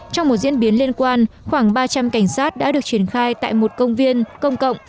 trong một diễn biến liên quan khoảng ba trăm linh cảnh sát đã được triển khai tại một công viên công cộng